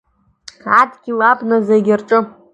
Адгьыл, абна, зегь рҿы.